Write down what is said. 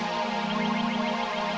saya sudah mau ada pembawaan